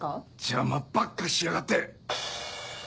邪魔ばっかしやがって！